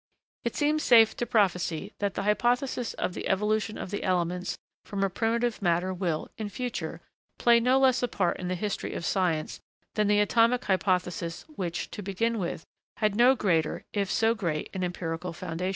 It seems safe to prophesy that the hypothesis of the evolution of the elements from a primitive matter will, in future, play no less a part in the history of science than the atomic hypothesis, which, to begin with, had no greater, if so great, an empirical foundation.